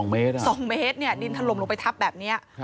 ๒เมตรเนี่ยดินถล่มลงไปทับแบบนี้